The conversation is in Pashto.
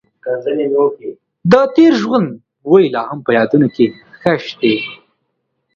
د تېر ژوند بوی لا هم په یادونو کې ښخ دی.